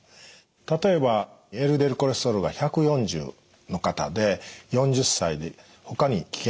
例えばＬＤＬコレステロールが１４０の方で４０歳でほかに危険因子のない方はですね